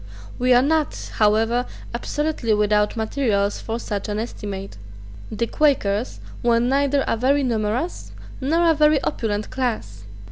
We are not however absolutely without materials for such an estimate. The Quakers were neither a very numerous nor a very opulent class.